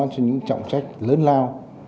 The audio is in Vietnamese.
cho những trọng trách lớn lao